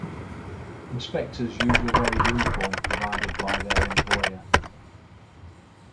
Inspectors usually wear a uniform provided by their employe.